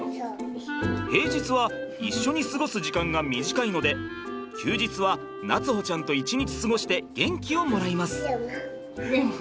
平日は一緒に過ごす時間が短いので休日は夏歩ちゃんと一日過ごして元気をもらいます。